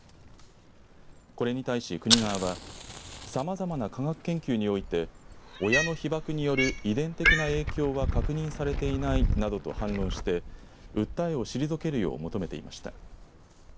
これに対し国側はさまざまな科学研究において親の被爆による遺伝的な影響は確認されていないなどと反論して訴えを退けるよう求めていました。